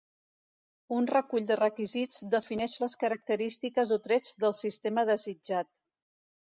Un recull de requisits defineix les característiques o trets del sistema desitjat.